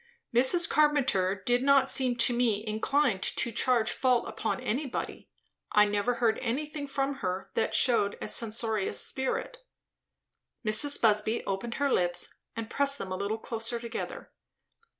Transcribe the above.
"Mrs. Carpenter did not seem to me inclined to charge fault upon anybody. I never heard anything from her that shewed a censorious spirit." Mrs. Busby opened her lips, and pressed them a little closer together.